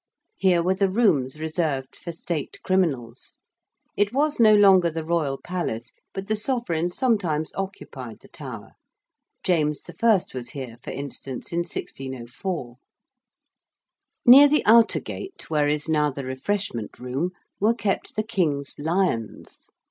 Here were the rooms reserved for state criminals. It was no longer the Royal Palace but the sovereign sometimes occupied the Tower. James the First was here, for instance, in 1604. Near the outer gate where is now the Refreshment Room were kept the King's lions.